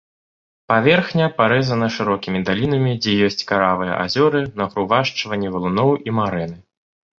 Паверхня парэзана шырокімі далінамі, дзе ёсць каравыя азёры, нагрувашчванні валуноў і марэны.